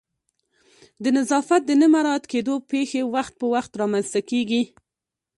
د نظافت د نه مراعت کېدو پیښې وخت په وخت رامنځته کیږي